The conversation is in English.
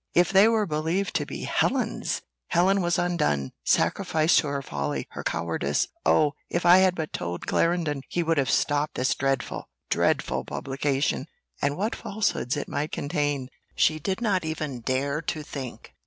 If they were believed to be Helen's Helen was undone, sacrificed to her folly, her cowardice. "Oh! if I had but told Clarendon, he would have stopped this dreadful, dreadful publication." And what falsehoods it might contain, she did not even dare to think.